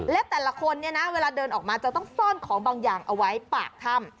และแต่ละคนเนี่ยนะเวลาเดินออกมาจะต้องซ่อนของบางอย่างเอาไว้ปากถ้ำ